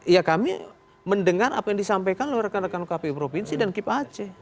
ya kami mendengar apa yang disampaikan oleh rekan rekan kpu provinsi dan kip aceh